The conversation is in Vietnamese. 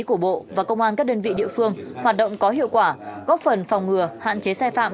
của bộ và công an các đơn vị địa phương hoạt động có hiệu quả góp phần phòng ngừa hạn chế sai phạm